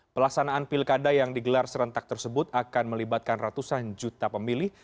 pelaksanaan pilkada yang digelar serentak tersebut akan melibatkan ratusan juta pemilih